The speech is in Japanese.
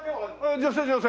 女性女性。